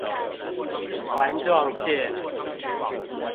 環狀線